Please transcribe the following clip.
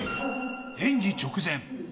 演技直前。